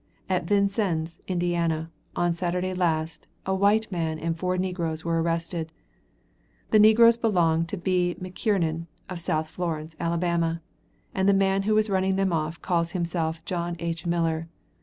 At Vincennes, Indiana, on Saturday last, a white man and four negroes were arrested. The negroes belong to B. McKiernon, of South Florence, Alabama, and the man who was running them off calls himself John H. Miller.